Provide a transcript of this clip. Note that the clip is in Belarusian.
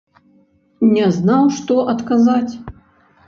Не знаў, што адказаць.